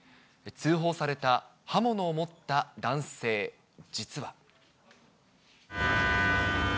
通報された刃物を持った男性、実は。